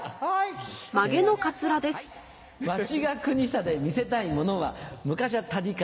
「わしが国さで見せたいものはむかしゃ谷風